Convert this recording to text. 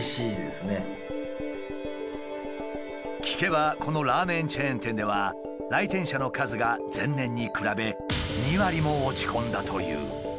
聞けばこのラーメンチェーン店では来店者の数が前年に比べ２割も落ち込んだという。